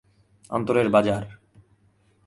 অন্তরের বাজার